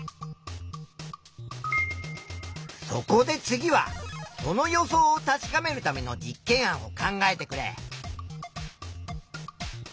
そこで次はその予想を確かめるための実験案を考えてくれ。